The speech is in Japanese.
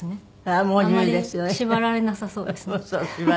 あまり縛られなさそうですね。